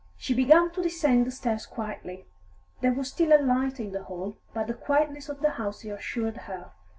She began to descend the stairs quietly. There was still a light in the hall, but the quietness of the house reassured her.